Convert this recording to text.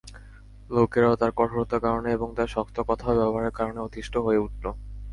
লোকেরাও তার কঠোরতার কারণে এবং তার শক্ত কথা ও ব্যবহারের কারণে অতিষ্ঠ হয়ে উঠল।